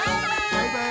バイバーイ！